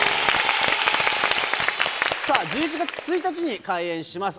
さあ、１１月１日に開園します